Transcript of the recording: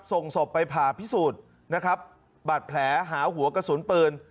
ส่งศพไปผ่าพิสูจน์นะครับบาดแผลหาหัวกระสุนปืน